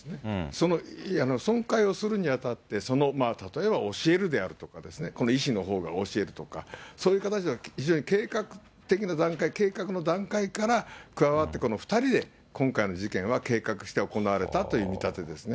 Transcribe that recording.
その損壊をするにあたって、その例えば、教えるであるとか、この医師のほうが教えるとか、そういう形で、非常に計画的な段階、計画の段階から加わって、２人で今回の事件は計画して行われたという見立てですね。